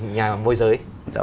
nhà môi giới